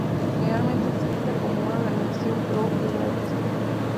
Generalmente es descrita como una organización pro-israelí.